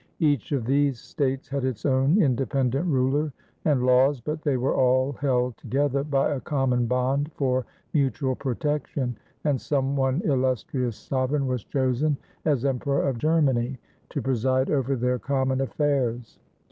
Each of these states had its own inde pendent ruler and laws, but they were all held together by a common bond for mutual protection, and some one illustrious sovereign was chosen as Emperor of Ger many, to preside over their common affairs.